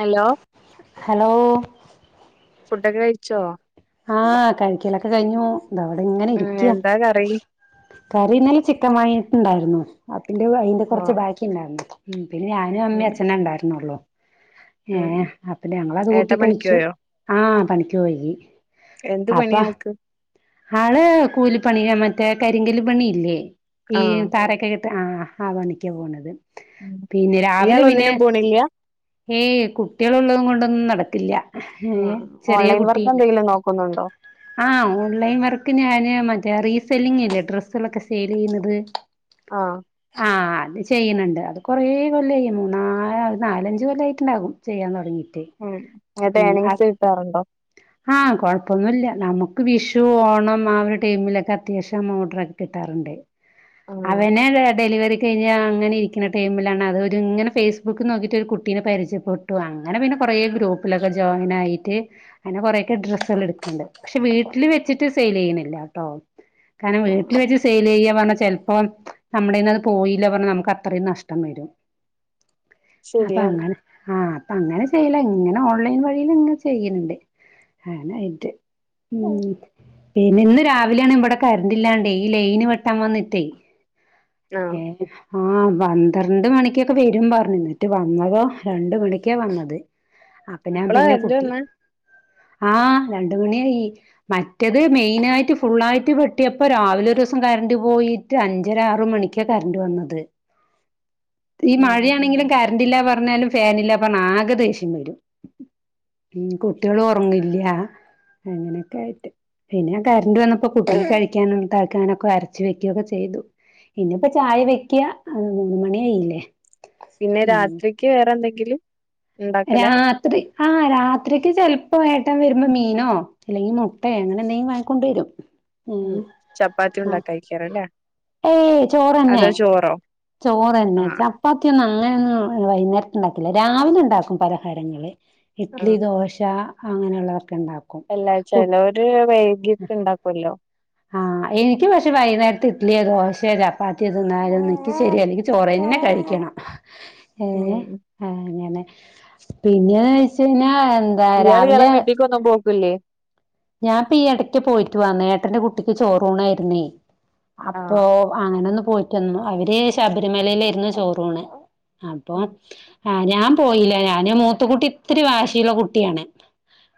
Hello hello ഫുഡൊക്കെ കഴിച്ചോ? ആഹ് കഴിക്കലൊക്കെ കഴിഞ്ഞു ഇതാവടെ ഇങ്ങനെ ഉം ഇരിക്ക. എന്താ കറി കറിന്നലലെ ചിക്കൻ വാങ്ങീട്ട്ണ്ടായിരുന്നു. അപ്പിന്റെ അയിന്റെ ഓ കുറച്ച് ബാക്കി ഇണ്ടാർന്നു. ഉം പിന്നെ ഞാനും അമ്മേം ഉം അച്ഛനെ ഇണ്ടാർന്നൊള്ളു ഉം ഏഹ് അപ്പൊ ഞങ്ങളത് ഏട്ടൻ കൂട്ടി പണിക്ക് കഴിച്ചു. പോയോ ആ പണിക്ക് പോയി. എന്ത് അപ്പൊ പണിയാ ആൾക്ക് ആള് കൂലിപ്പണിയാ മറ്റേ കരിങ്കല് പണിയില്ലേ? ഈ ആഹ് തറയൊക്കെ കെട്ട ആഹ് ആ പണിക്കാ പോണത്. ഉം പിന്നെ രാവിലെ ഇയാൾ പിന്നെ ഒന്നിനും പോണില്ല ഏയ് കുട്ടികളുള്ളത് കൊണ്ടൊന്നും നടത്തില്ല. ഏ ആഹ് ചെറിയ ഓൺലൈൻ വർക്ക് കുട്ടിയ്ണ്ട് എന്തെങ്കിലും നോക്കുന്നുണ്ടോ? ആഹ് ഓൺലൈൻ വർക്ക് ഞാന് മറ്റേ റീസെല്ലിങ്ല്ലേ ഡ്രസ്സുകളൊക്കെ സെയിലെയുന്നത്. ആഹ് ആഹ് അത് ചെയ്യണണ്ട് അത് കൊറെേ കൊല്ലായി മൂന്നാനാ നാലഞ്ചകൊല്ലയിട്ടുണ്ടാകും ചെയ്യാൻ തുടങ്ങിട്ട്. ഉം എന്നിട്ട് എനിങ്സ് കിട്ടാറുണ്ടോ ആഹ് കൊഴപ്പൊന്നുമില്ല നമുക്ക് വിഷു ഓണം ആ ഒരു ടീമിലൊക്കെ അത്യാവശ്യം ഓഡറോക്കെ കിട്ടാറുണ്ട്. ആഹ് അവനൊ ഡെലിവറി ശെരിയാ അങ്ങനെ ഇരിക്കുന്ന ടൈമിലാണ് അത് ഒരു ഇങ്ങനെ ഫേസ്ബുക്ക് നോക്കിയിട്ട് ഒരു കുട്ടീനെ പരിജയപ്പോൾ ട്ടു അങ്ങനെ പിന്നെ കുറേ ഗ്രൂപ്പിലൊക്കെ ജോയിൻ ആയിട്ട്. അങ്ങനെ കൊറെക്കെ ഡ്രസ്സുകൾ എടുക്കുന്നുണ്ട് പക്ഷെ വീട്ടിൽ വച്ചിട്ട് സെയിൽ ചെയ്യുന്നില്ലട്ടോ? കാരണം ആഹ് വീട്ടില് വെച്ച് സെയിൽ ചെയ്യ പറഞ്ഞ ചെലപ്പോം നമ്മുടെന്ന് അത് പോയില്ല പറഞ്ഞ നമുക്ക് അത്രയും നഷ്ടം വരും അപ്പൊ ശരിയാണ് അങ്ങെന ആഹ് അപ്പ അങ്ങനെ ചെയ്ല ഇങ്ങനെ ഓൺലൈൻ വഴിൽ ഇങ്ങെ ചെയ്യുന്നുണ്ട് ആനായിട്ട് മം പിന്നെ ഇന്ന് രാവിലെയാണ് ഇവിടെ കറണ്ടില്ലാണ്ട് ഈ ലൈന് വെട്ടാൻ വന്നിട്ടേ ആഹ് എഹ് ആഹ് പന്ത്രണ്ട് മണിക്കൊക്കെ വരും പറഞ്ഞു എന്നിട്ട് വന്നതോ രണ്ട് മണിക്കാ വന്നത്. അപ്പൊ ഞാൻ ഇപ്പളാ പിന്നെ കരണ്ട് കുട്ടി വന്നേ ആഹ് രണ്ട മണിയായി മറ്റത് മെയിനായിട്ട് ഫുള്ളായിട്ട് വെട്ടിയപ്പോ രാവിലെ ഒരു ദിവസം കറണ്ട് പോയിട്ട് അഞ്ചര ആറ് മണിക്ക്. ക്കാ കരണ്ട് വന്നത് ഈ ഉം മഴയാണെങ്കിലും കറണ്ടില്ല പറഞ്ഞാലും ഫാനില്ല പറഞ്ഞ ആകെ ദേഷ്യം വരും മം കുട്ടികൾ ഉറങ്ങില്യാ അങ്ങനെയൊക്കെ ആയിട്ട് പിന്നെ ഞാൻ കറണ്ട് വന്നപ്പോ കുട്ടിൾക്ക് കഴിക്കാനും ണ്ടാക്കാനും ക്കെ അരച്ചവെക്കുകയൊക്കെ ചെയ്തു പിന്നെപ്പ ചായ വെക്ക്യ ആഹ് മൂന്ന മണിയായില്ലേ പിന്നെ ഉം രാത്രിക്ക് വേറെ എന്തെങ്കിലും ഉണ്ടാക്കലാ രാത്രി ആഹ് രാത്രിക്ക് ചിലപ്പോ ഏട്ടം വരുമ്പോ മീനോ ഇല്ലെങ്കിൽ മുട്ടെ അങ്ങനെന്തെങ്കിലും വങ്ങിക്കൊണ്ടു വരും. ഉ ഉം ചപ്പാത്തി ആ ഉണ്ടാക്കായിക്കാരല്ലേ ഏയ് ചോറ്ന്നെ അതോ ചോറോ ചോറ്ന്നാ ആഹ് ചാ അപ്പത്തിയൊന്നും അങ്ങനൊന്നും വൈകുന്നേരത്ത ഉണ്ടാക്കില്ല രാവിലെ ഉണ്ടാക്കും പലഹാരങ്ങള് ഇഡ്ലി ആഹ് ദോശ അങ്ങനെയുള്ളതൊക്കെ ഉണ്ടാക്കും. ള്ള കു ചെലൊരു വൈകിട്ട് ഉണ്ടാക്കുല്ലോ ആഹ് ഇനിക്ക് പക്ഷെ വൈകുന്നേരത്ത് ഇഡ്ലിയോ, ദോശയോ, ചപ്പാത്തിയോ, തിന്നാലോന്ന് ഇനിക്ക് ശെരി ചൊറന്നെ കഴിക്കണം [unintelligible] ഏഹ് ആഹ് അങ്ങനെ പിന്നോയ്ച്ചഴിഞ്ഞാ എ ഇയാള് ഇയാളെ വീട്ട്ക്കൊന്നും പോക്കില്ലേ ഞാപ്പീ എടയ്ക്ക് പോയിട്ട് വന്ന് എട്ടന്റെ കുട്ടിക്ക് ചോറൂണായിര്ന്നേ അപ്പോ ആഹ് അങ്ങനെന്ന് പോയിട്ട് വന്ന് അവര് ഈ ശബരിമലേലെരുന്നു ചോറൂണ് അപ്പൊ ആഹ് ഞാൻ പോയില്ല ഞാന് മൂത്ത കുട്ടി ഇത്തിരി വാശിയിള്ള കുട്ടിയാണ്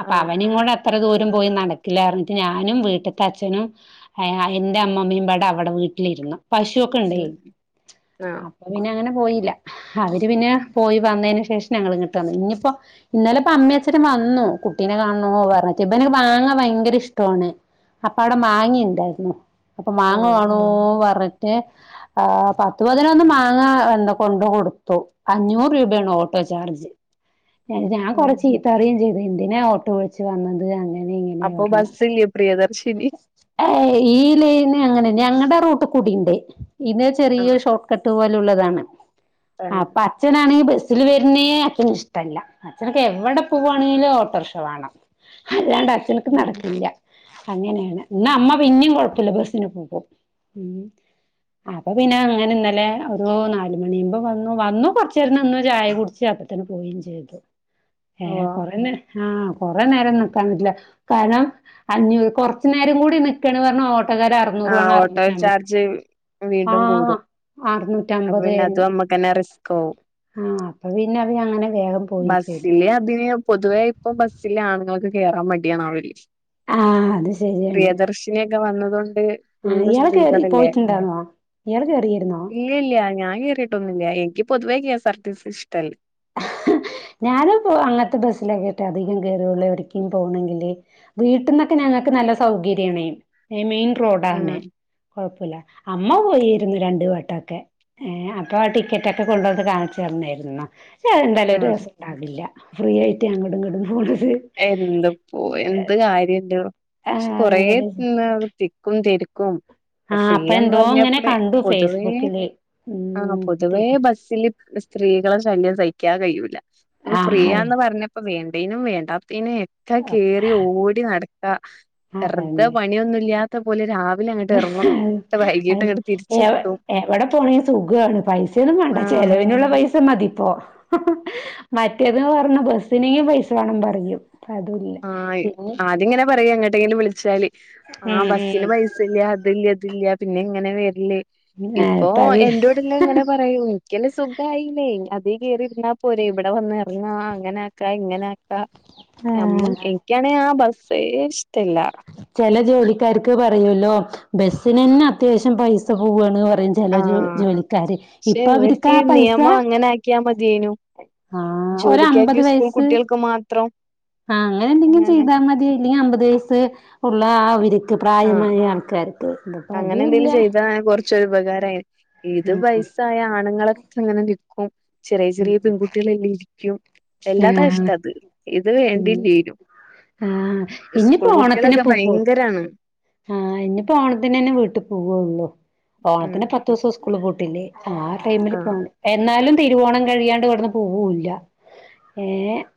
അപ്പൊ ആഹ് അവനങ്ങൂടെ അത്ര ദൂരം പോയി നടക്കില്ലാറിഞ്ഞിട്ട് ഞാനും വീട്ട്ത്തെ അച്ഛനും ഏഹ് ഹാ ഇന്റെ അമ്മമ്മയുംപാടെ അവടെ വീട്ടിലിരുന്നു പശൊക്കണ്ടേ ഉം അ ആഹ് പിന്നെ അങ്ങനെ പോയില്ല അവര് പിന്നെ പോയി വന്നേന് ശേഷം ഞങ്ങള് ഇങ്ങട്ട് വന്ന് ഇഞ്ഞ്പ്പോ ഇന്നലെ ഇപ്പൊ അമ്മേ അച്ഛനും വന്നു കുട്ടീനെ കാണണോ പറഞ്ഞ് ത് ഇബന് മാങ്ങാ ഭയങ്കര ഇഷ്ടവാണ് അപ്പൊ അവടെ മാങ്ങിണ്ടായിരുന്നു അപ്പം മാങ്ങ ആഹ് വണോ പറ്ട്ട് ആഹ് പത്തു പതിനൊന്ന് മാങ്ങ എന്താ കൊണ്ട് കൊടുത്തു അഞ്ഞൂറ് രൂപയാണ് ഓട്ടോ ചാർജ് അയിന് ഞാൻ ഉം കൊറെ ചീത്തറിം ചെയ്ത് എന്തിനാ ഓട്ടോ വിളിച്ച് വന്നത് അങ്ങ അപ്പൊ ബസ്സ്ല്ല്യെ പ്രിയദർശിനി ഏഹ്‌ ഈ ലൈൻ അങ്ങനെ ഞങ്ങടെ റൂട്ട് കൂടി ഇണ്ട് ഇത് ചെറിയ ആഹ് ഷോർ ക്കട്ട് പോലുള്ളതാണ് തന്നെ അപ്പോ അ ച്ഛനാണെ ബസ്സില് വര്ന്നേ അച്ഛന് ഇഷ്ടല്ല അച്ഛനൊക്കെ എവടെ പോവാണെങ്കിലും ഓട്ടോർക്ഷ വാണം അല്ലാണ്ടെ അച്ഛന്ക്ക് നടക്കില്ല അങ്ങനേണ് എന്നാ അമ്മ പിന്നിം കൊഴപ്പല്ല ബസ്സിന് പോകും ഉം അപ്പ പിന്നെ അങ്ങനെ ഇന്നലെ ഒരു നാല് മണിയാവുമ്പോ വന്നു വന്നു കൊറച്ചേരം നിന്ന് ചായ കുടിച്ച് അപ്പ ത്തന്നെ പോവേം ചെയ്തു ഏഹ് ഓഹ് കൊറേ നേ ആഹ് കൊറേ നേരം നിക്കാൻ പറ്റില്ല കാരണം അഞ്ഞൂ കൊറ്ച്ച് നേരം കൂടി നിക്കാണ് പറഞ്ഞാ ഓട്ടക്കാരൻ അറ് ആഹ് ഓട്ടോ ചാർജ് ഉം വീണ്ടും ആഹ് കൂടും അപ്പൊ പിന്നെ അറുന്നൂറ്റമ്പത് അതും നമ്മക്കന്നെ റിസ്കാവും ആഹ് അപ്പൊ പിന്നെ അവര് അങ്ങനെ വേഗം പോയി ചെയ്തു. ബസ്സില് അതിന് പൊതുവേ ഇപ്പൊ ബസ്സില് ആണ്ങ്ങൾക്ക് കേറാ മടിയാണാവല് ആഹ് അത് ശരിയാണ് പ്രിദർശിനിയൊക്കെ വന്നതോണ്ട് ആഹ് ഫുള്ള് ഇയാള് കേറി സ്ത്രീകളല്ലേ പോയിട്ടുണ്ടായിരുന്നോ? ഇയാള് കേറിരുന്നോ ഇല്ല ഇല്ല ഞാൻ കേറിട്ടൊന്നുല്ല എനിക്ക്യ് പൊതുവേ K S R T C ഇഷ്ട ഞാനുപ്പൊ അങ്ങത്തെ ബസ്സിലൊക്കേട്ടൊ അധികം കേറൊള്ളൂ എവിട്ക്കേം പോവണങ്കില് വീട്ട്ന്നൊക്കെ ഞങ്ങക്ക് നല്ല സൗകര്യാണെ ഏഹ് മെയിൻ ഉം റോഡാണ് കൊഴപ്പല്ല അമ്മ പോയിര്ന്ന് രണ്ട് വട്ടൊക്കെ ഏഹ് അപ്പൊ ആ ടിക്കറ്റൊക്കെ കൊണ്ടോന്ന് കാണിച്ച് തന്നേര്ന്നു ക്ഷേ അഹ് എന്തായാലും ഒരു ആഹ് രസണ്ടാവില്ല ഫ്രീയായിട്ട് അങ്ങടും ഇങ്ങടും പോണത് എന്ത്പ്പോ എന്ത് കാര്യല്ലൊ പക്ഷെ ആഹ് കൊറേ അങ്ങനെ [unintelligible] ക്കും തിര്ക്കും ഇപ്പ ആഹ് അപ്പൊ ഫ്രീയാന്ന് എന്തോ ഇങ്ങനെ പറ്ഞ്ഞപ്പളെ കണ്ടു പൊതുവേ ഫേസ്ബുക്കില് ആഹ് ഉം പൊതുവേ ബസ്സില് ഇവടെ സ്ത്രീകളെ ശല്യം സഹിക്കാ കയ്യൂല്ല. ഇപ്പൊ ആഹ് ഫ്രീയാന്ന് പറ്ഞ്ഞപ്പൊ വേണ്ടേനും വേണ്ടാ ത്തിന് എത്താ കേറി ഓടി നടക്കാ വെറുതെ പണിയൊന്നുല്ലാ ത്ത പോലെ രാവിലെ അ ഹെ ഹേ വൈകിട്ട് അങ്ങട്ട് തി എവ് എവിടെ പോണേലും സുഖാണ് പൈസയൊന്നും വാണ്ട ആ ചെലവിനുള്ള പൈസ മതിപ്പോ മറ്റേതന്ന് പറ്ഞ്ഞാ ബസിനേം പൈസ വാണം പറിയും ആയ് ആദ്യങ്ങനെ പറയാ എങ്ങോട്ടെങ്കിലും വിളിച്ചാല് ആ ബസ്സിന് ഉം പൈ സല്ല അതില്ല ഇതില്ല പിന്നെ എങ്ങനെ വെര്ല് ഉം ആഹ് ഇപ്പൊ ഇപ്പ അത് എന്റോട്ല്ലെ ഇങ്ങനെ പ റിയും ഇന്ക്കല്ലെ സുഖായില്ലേ അതേ കേറിര്ന്നാ പോരെ ഇവടെ വന്ന് എറ്ങ്ങാ അങ്ങനെ ആക്കാ ഇങ്ങനെ ആക്കാ ഞമ്മ ആഹ് എനിക്കാണെ ആ ബസ്സേ ഇഷ്ടല്ല ചെല ജോലിക്കാര്ക്ക് പറയോല്ലോ ബസ്സിനന്നെ അത്യാവശ്യം പൈസ പോവാണ് പറിം ആഹ് പക്ഷെ ഇവർക്ക് ആ ഈ നിയമം പൈസ അങ്ങനെ ആക്കിയാ മതിയേനു ആഹ് ഒരമ്പത് ജോലിക്കാർക്കും സ്കൂൾ വയസ്സ് കുട്ടികൾക്കും മാത്രം ആഹ് അങ്ങനെ എന്തെങ്കിലും ചെയ്താൽ മതി ഇല്ലെങ്കിൽ അമ്പത് വയസ്സ് ഉള്ള അവർക്ക് ആഹ് പ്രായമായ ആൾക്കാര് അങ്ങനെ എന്തേലും ചെയ്താ കൊ റച്ച്- കൊറച്ച് ഉപകാരമായേനെ ഇത് ഉം വയസ്സായ ആണുങ്ങളൊക്കെ അങ്ങനെ നിൽക്കും ചെറിയ ചെറിയ ഉം പെൺകുട്ടികളെല്ലാം ഇരിക്കും വല്ലാത്ത ആഹ് കഷ്ടാ അത് ഇത് ഉം വേണ്ടില്ലേനു- ആഹ് സ്കൂൾ ഇനിയിപ്പോ ഓണത്തിന് കുട്ടികളൊക്കെ പോവോ ഭയങ്കരാണ് ആഹ് ഇനിയിപ്പോ ഓണത്തിനന്നെ വീട്ടി പോവൊള്ളു ഉം ഓണത്തിന് പത്തു ദിവസം സ്കൂള് പൂട്ടില്ലേ ആ ടൈമിൽ ആഹ് പോണം എന്നാലും തിരുവോണം കഴിയാണ്ട് ഇവിടുന്ന് പോവൂല്ല ഏ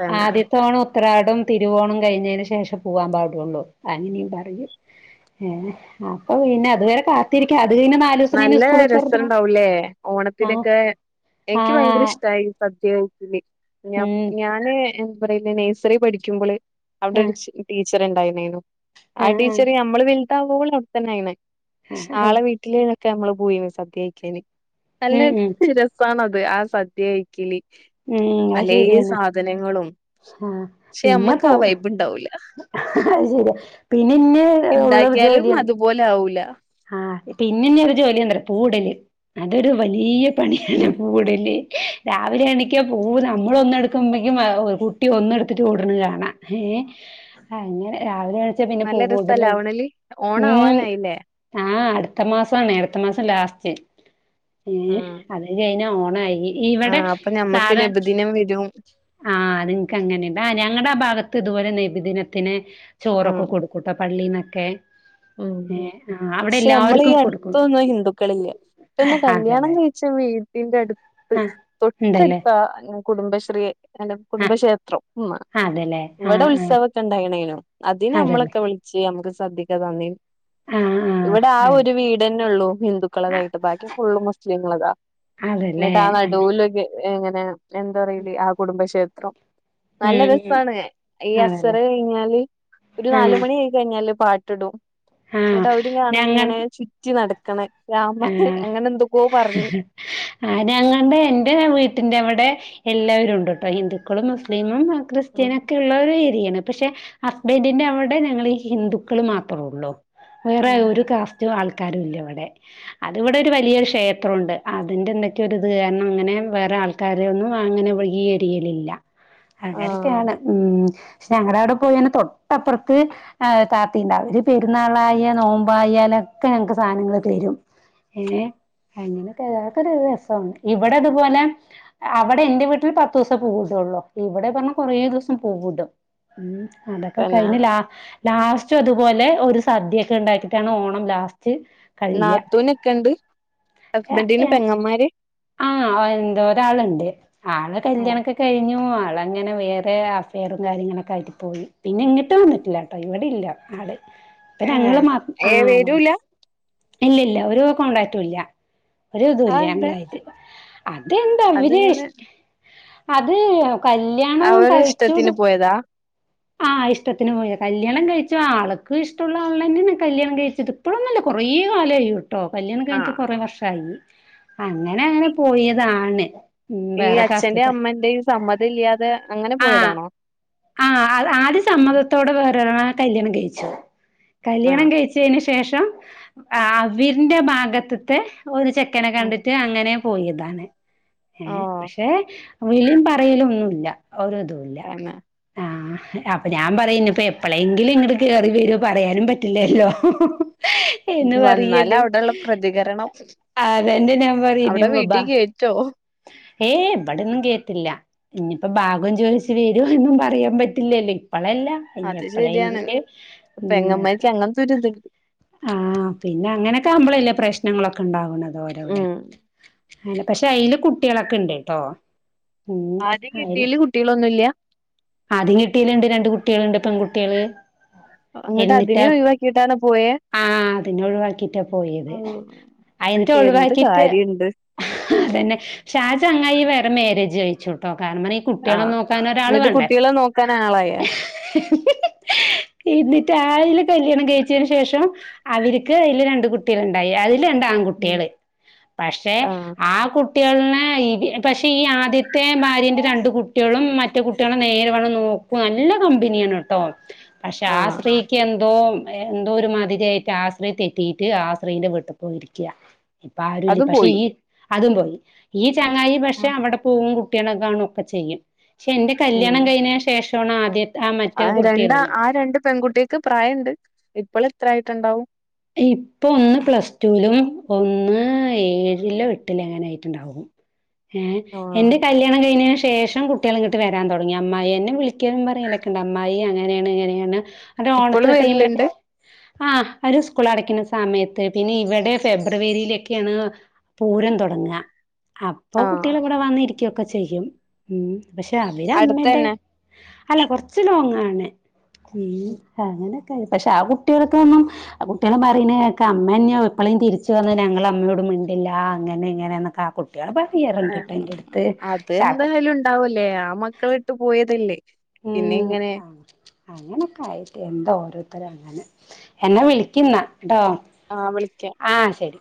തന്നെ ആദ്യത്തെ ഓണം ഉത്രാടും തിരുവോണും കഴിഞ്ഞതിന് ശേഷേ പോവാൻ പാടുള്ളൂ അങ്ങനെയും പറയും ഏ അപ്പൊ പിന്നെ അതുവരെ കാത്തിരിക്കാ അത് കഴിഞ്ഞ- നല്ല രസം ഇണ്ടാവുല്ലേ ആഹ് ഓണത്തിനൊക്കെ- എനിക്ക് ഭയങ്കര ആഹ് ഇഷ്ടമായി സദ്യകഴിക്കല് ഞാ ഉം ഞാൻ ഏ എന്താ പറയല് നഴ്സറി പഠിക്കുമ്പോള് അവിടെ ഒരു ആഹ് ടീച്ചറു ണ്ടായിരുന്നേനു ആ ആഹ് ആഹ് ടീച്ചറ് നമ്മള് വലുതാവോളം അവിടെത്തന്നെ ആയ്ര്ന്ന് ആഹ് ആളെ വീട്ടില് ഒക്കെ നമ്മള് പോയീന് സദ്യ കഴിക്കാന് നല്ല ഉം ഉം ഒത്തിരി രസാണത് ആ സദ്യ കഴിക്കല് ഉം അത് പഴേ ശരിയാണ് സാധനങ്ങളും ആഹ് പക്ഷെ പിന്നെ നമ്മക്ക് പോ ആ വൈബുണ്ടാവൂല അത് ശരിയാ പിന്നെ ഇന്നെ ഒള്ള ജോലി പോലെ ആവൂല്ല ആ പിന്നെ ഒരു ജോലി ഉണ്ടല് പൂവിടല് ഇടല് അതൊരു വലിയ ഉം പണിയാണ് പൂവിടല് രാവിലെ എണീക്കാ പൂവിടാൻ നമ്മളൊന്ന് എടുക്കുമ്പോഴിക്കും കുട്ടി ഒന്ന് എടുത്തിട്ട് ഓടണ കാണാം ഏഹ് ആഹ് അങ്ങനെ രാവിലെ എണീച്ച പിന്നെ നല്ല പൂവ് രസാ കൊണ്ടലും ലാവണല് ഓണം ഉം- ആവാനായില്ലേ ആഹ് അടുത്ത മാസാണെ അടുത്ത മാസം ലാസ്റ്റ് ഏഹ് ആഹ് അത് കഴിഞ്ഞു കഴിഞ്ഞാൽ ഓണായി ഇവിടെ ആഹ് അപ്പൊ ഞമ്മക്ക് സാധാര നബിദിനം വരും - ആ അത് നിൻക്ക് അങ്ങനെയുണ്ട് ആഹ് ഞങ്ങടെ ആ ഭാഗത്ത് ഇതുപോലെ നെബിദിനത്തിന് ആഹ് ചോറൊക്കെ കൊടു ഇവുടുത്തെ പള്ളിനൊക്കെ ഉം പക്ഷെ നമ്മളീ കൊടുക്കും അടുത്തൊന്നും ഹിന്ദുക്കളില്ല പിന്നെ കല്യാണം അതെല്ലേ കഴിച്ച വീട്ടിന്റെ അടുത്ത് ആഹ് ഉണ്ടല്ലേ തൊട്ടടുത്താ എ- കുടുംബശ്രീ എന്റെ ആഹ് കുടുംബക്ഷേത്രം ഉം അതെല്ലേ ഇവിടെ ആഹ് ആഹ് ഉത്സവൊക്കെ ഉണ്ടായണേലും അതിന് അതെല്ലേ നമ്മളൊക്കെ വിളി വിളിച്ച് നമ്മക്ക് സദ്യ ഒക്കെ തന്ന് ആഹ് ആഹ് ഇവിടെ ആ ആഹ് ഒരു വീടന്നെ ഉള്ളു ഹിന്ദുക്കളതായിട്ട് ബാക്കി ഫുള്ള് മുസ്ലീങ്ങൾടെതാ ആഹ് അതല്ലേ എന്നിട്ട് ആ ആഹ് നടുവിലൊര് ഇങ്ങനെ എന്താ പറയില് ആ കുടുംബക്ഷേത്രം നല്ല ഉം ഉം രസാണ് ഈ അതല്ലേ അസ്സറ് കഴിഞ്ഞാല് ഒരു നാല് ആഹ് മണി ആയി കഴിഞ്ഞാല് പാ ട്ടിടും ആഹ് എന്നട്ട് അവര് കാണെ ഞങ്ങൾ ഇങ്ങനെ ചുറ്റി നട ക്കണ് രാമ അങ്ങനെ എന്തൊക്കോ പറഞ്ഞ് അരാങ്ങാണ്ട് എന്റെ വീട്ടിന്റെ അവിടെ- എല്ലാരുംയുണ്ട് കേട്ടോ ഹിന്ദുക്കളും മുസ്ലിമും ഉം ക്രിസ്ത്യനൊക്കെ ഉള്ളൊരു ഏരിയാണ് പക്ഷെ ഹസ്ബന്റിന്റെ അവിടെ ഞങ്ങള് ഹിന്ദുക്കള് മാത്രയുള്ളൂ വേറെ ഉം ഒരു കാസ്റ്റും ആൾക്കാരുയില്ല ഇവിടെ അതിവിടെ ഒരു വലിയൊരു ക്ഷേത്രം ഉണ്ട് അതിന്റെ എന്തൊക്കെയോ ഒരു ഇത് കാരണം അങ്ങനെ വേറെ ആൾ ക്കാരൊന്നും അങ്ങനെ ഈ ഏരിയലില്ല ആഹ് അങ്ങനൊക്കെയാണ് ഉം പക്ഷെ ഞങ്ങടെ അവിടെ പോയൊന്ന് തൊട്ടപ്പറത്ത്- ആ താത്തിയുണ്ട് അവര് പെരുന്നാളായ നോമ്പ് ആയാലൊക്കെ ഞങ്ങക്ക് സാധനങ്ങള് തരും ഏഹ് അങ്ങനൊക്കെ തരാ [unintelligible] നൊക്കെ അതൊക്കൊരൊരു രസാണ് ഇവിടെ അതുപോലെ- അവിടെ എന്റെ വീട്ടിൽ പത്ത് ദിവസേ പൂവിടൊള്ളൂ ഇവിടെ പറഞ്ഞ കൊറേ ദിവസം പൂവിടും ഉം അതൊക്കെ പിന്നെ കഴിഞ്ഞ് ലാ ലാസ്റ്റ് ഇതുപോലെ ഒരു സദ്യൊക്കെ ഉണ്ടാക്കിട്ടാണ് ഓണം ലാസ്റ്റ്- കഴിയ നാത്തൂനൊക്കണ്ട് ഹസ്ബന്റിന് പെങ്ങമാര്- ആഹ് എന്തുവാ ഒരാളുണ്ട് ആള് കല്യാണൊക്കെ- കഴിഞ്ഞു ആൾ അങ്ങനെ വേറെ അഫെയറും കാര്യങ്ങളൊക്കെ ആയിട്ട് പോയി പിന്നെ ഇങ്ങിട്ട് വന്നിട്ടില്ല ട്ടോ ഇവിടെ ഇല്ല ആള് ഇപ്പ ഏഹ് ഞങ്ങള് മാ ആ ഏഹ് അതാ വരൂല ഇല്ലില്ല ഒരു കോൺടാക്റ്റു ഇല്ല ഒരു ഇതു ഇല്ല്യ അതെന്താ ഞങ്ങളായിട്ട് അതെന്താ ഇവര് അതങ്ങനെ അത് കല്യാണംവും അവരെ കഴിച്ചൂട് ഇഷ്ടത്തിന് പോയതാ ആഹ് ഇഷ്ടത്തിന് പോയ കല്യാണം കഴിച്ചു ആൾക്ക് ഇഷ്ടുള്ള ആളന്നെയാണ് കല്യാണം കഴിച്ചത് ഇപ്പോഴൊന്നു അല്ല കുറേ കാലായി ട്ടോ കല്യാണം കഴിച്ച് ആഹ് കൊറെ വർഷായി അങ്ങനെ അങ്ങനെ പോയതാണ് ഉം ഈ വേറെ അച്ഛന്റെയും കാസ്റ്റത്തെ അമ്മന്റെയും സമ്മതം ഇല്ല്യാതെ അങ്ങനെ പോയതാണോ ആ ആള് ആദ്യം സമ്മതത്തോടെ വേറൊരാളെ കല്യാണം കഴിച്ചു കല്യാണം ആഹ് കഴിച്ച് ച്ചേന് ശേഷം ആ വീടിന്റെ ഭാഗത്തത്തെ ഒരു ചെക്കനെ കണ്ടിട്ട് അങ്ങനേ പോയതാണ് ഏ ഓഹ് പക്ഷെ വിളിയും പറയലും ഒന്നു ഇല്ല ഒരിതു ഇല്ല അങ്ങനെ ആ അപ്പൊ ഞാൻ പറയും ഇനി ഇപ്പൊ എപ്പളെങ്കിലും ഇങ്ങട്ട് കേറി വരുവോ പറയാനും പറ്റില്ലല്ലോ എന്ന് വന്നാല് വറിയത് അവിടെള്ള പ്രതികരണം ആ തന്റെ ഞാൻ പറയും അവിടെ ഇനിബ വീട്ടി ബാ കേറ്റോ യെ ഇവിടെന്നും കേറ്റില്ലാ ഇനി ഇപ്പോ ഭാഗം ചോച്ച് വെരുമോ എന്നും പറയാൻ പറ്റ് റ്റില്ലല്ലോ ഇപ്പള് അല്ല ഇനി അത് ശരിയാണ് എപ്പഴേങ്കില് ഉം പെങ്ങന്മാർക്ക് അങ്ങനത്തെ ഒരിതുണ്ട് ആഹ് പിന്നെ അങ്ങനൊക്കെ ആവ്മ്പാളല്ലേ പ്രശ്നങ്ങളൊക്കെ ഇണ്ടാവണത് ഓര് അവടെ ഉം [unintelligible] പശേ അയില് കുട്ടികളൊക്കെ ഒണ്ടട്ടോ ആദ്യ കേട്ടീല് കുട്ടികളൊന്നും ഇല്ല്യാ ആദ്യം കെട്ടേല് ഇണ്ട് രണ്ട് കുട്ടിള്ണ്ട് പെൺകുട്ടികള് അങ്ങിട്ട് അതിനെ എന്നിട്ടാ ഒഴിവാക്കിയിട്ടാണോ പോയേ ആഹ് അതിന്നെ ഒഴിവാക്കിട്ടാ പോയത് അയിനേ എന്ത് ഒഴിവാക്കിട്ട് കാര്യണ്ട് അത് തന്നെ ശെ ആ ചാങ്ങായി വേറെ മാരേജ് കഴിച്ചുട്ടോ കാരണം ഇ കുട്ടിളേ ആഹ് നോക്കൻ ഒരാള് എന്നിട്ട് വേണ്ടേ കുട്ടികളെ നോക്കാൻ ആളായോ എന്നിട്ട് [unintelligible] കല്യാണം കയിച്ചോന് ശേഷം അവരക്ക് അതില് രണ്ട് കുട്ട ണ്ടായി അതില് രണ്ട് ഉം ആൺകുട്ടികള് പശേ ആഹ് കുട്ട കുട്ടികളെ പശെ ഈ ആദ്യത്തെ ഭാര്യൻ്റെ രണ്ട് കുട്ടികളും മറ്റേ കുട്ടികളെ നേരെ വേണ്ണം നോ നല്ല കമ്പനിയാണ്ട്ടോ പശേ ആഹ് സ്ത്രീക്ക് എന്തോ എന്തോ ഒര് മാ [unintelligible] തെറ്റിയിട്ട് ആ ശ്രീന്റെ വീട്ടി പോയിരിക്ക്യാ ഇപ്പം ആരുല്ലാ അത് പശേ പോയി ഈ അതും പോയി ഈ ചങ്ങായി പശേ അവടെ പോകും കുട്ടികളെ കാണും ഒക്കെ ചെയ്യും ശെ എന്റെ കല്യാണം കൈയിഞ്ഞോന് ശേഷമാണ് ആദ്യ ആഹ് രണ്ട് ആഹ് രണ്ട് പെൺകുട്ടിക്ക് പ്രായം ഇണ്ട് ഇപ്പോൾ ഇത്ര ആയിട്ട് ഇണ്ടാവും ഇപ്പൊ ഒന്ന് പ്ലസ് ടൂലും ഒന്ന് ഏഴിലോ എട്ടിലോ എങ്ങനൊയിട്ട് ഇണ്ടാവും ഏഹ് ആഹ് എന്റെ കല്യാണം കയിഞ്ഞേന് ശേഷം കുട്ടികള് ഇങ്ങട്ട് വേരാൻ തോടങ്ങി അമ്മായി എന്നെ വിളിക്ക്യാലും പറല് ട് അമ്മായി അങ്ങനെയാണ് ഇങ്ങനെയാണ് അത് ഇപ്പളും ഓണത്ത് ടൈമിലൊക്കെ വരല്ണ്ട് ആഹ് അര് സ് സ്കൂള് അടക്ക്ന്നാ സമയത്ത് പിന്നെ ഇവടെ ഫെബ്രുവരിയിലൊക്കെയാണ് പൂരം തോടങ്ങ്യാ അപ്പൊ ആഹ് കുട്ടിളോ ഇവടെ വന്നിരിക്കയൊക്കെ ചെയ്യും ഉം പശേ അവര് അമ്മേൻ്റെ അടുത്തന്നെ അല്ലാ കൊറച്ച് ലോങ്ങാണ് ഉം അങ്ങനെ ഉം പശെ ആഹ് കുട്ടികൾക്കൊന്നും ആഹ് കുട്ടികളോ പറയന്നാ കേക്കാം അമ്മേന്നെയോ ഇപ്പളും തിരിച്ച് വന്നാ ഞങ്ങള് അമ്മയോട് മിണ്ടില്ലാ അങ്ങനെ ഇങ്ങനന്നൊക്കെ ആ കുട് [unintelligible] അടുത്ത് [unintelligible] ഒണ്ടാവുല്ലേ ആ മക്കളേ ഇട്ട് പോയതല്ലേ പിന്നെ ഇങ്ങനെ [unintelligible] ഓരോരുത്തരും അങ്ങനെ എന്നെ വിളിക്കുന്ന് ട്ടോ ആഹ് വിളിക്കാം ആഹ് ശേരി